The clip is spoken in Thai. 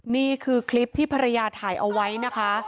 นี่คือคลิปที่ภรรยาถ่ายเอาไว้นะคะ